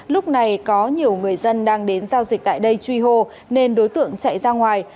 lúc này có nhiều người dân đang đến giao dịch tại đây truy hô nên đối tượng chạy ra ngoài